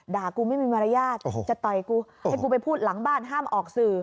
กูไม่มีมารยาทจะต่อยกูให้กูไปพูดหลังบ้านห้ามออกสื่อ